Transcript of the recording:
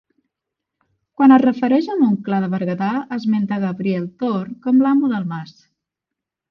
Quan es refereix a Montclar de Berguedà esmenta a Gabriel Tor com l'amo del mas.